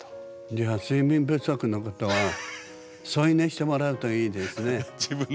じゃあ睡眠不足の方は添い寝してもらうといいですね。